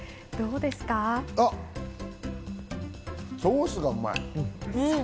あっ、ソースがうまい。